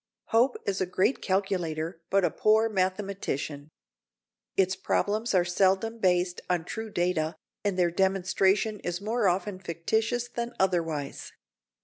Hope is a great calculator, but a poor mathematician. Its problems are seldom based on true data, and their demonstration is more often fictitious than otherwise.